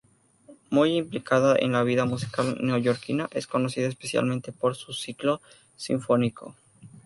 Muy implicada en la vida musical neoyorquina, es conocida especialmente por su ciclo sinfónico.